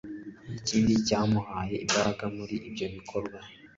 kindi cyamuhaye imbaraga muri ibyo bikorwa